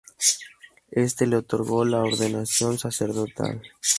Este le otorgó la ordenación sacerdotal.